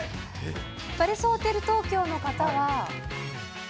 パレスホテル東京の方は。